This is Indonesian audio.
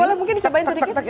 boleh mungkin dicobain sedikit